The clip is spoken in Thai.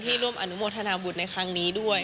ร่วมอนุโมทนาบุตรในครั้งนี้ด้วย